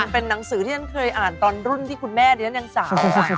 เป็นหนังสือที่ฉันเคยอ่านตอนรุ่นที่คุณแม่เรียนยังสาว